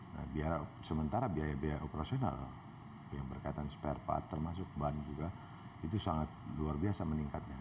nah sementara biaya biaya operasional yang berkaitan spare part termasuk ban juga itu sangat luar biasa meningkatnya